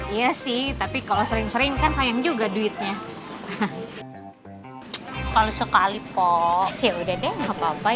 iya sih tapi kalau sering sering kan sayang juga duitnya kalau sekali pokok ya udah deh